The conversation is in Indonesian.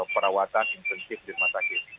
perawatan intensif di masakit